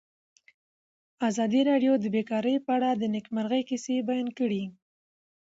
ازادي راډیو د بیکاري په اړه د نېکمرغۍ کیسې بیان کړې.